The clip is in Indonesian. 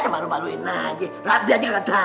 baru baru ini aja rugby aja ga tau